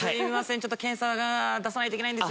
ちょっと検査が出さないといけないんですよ。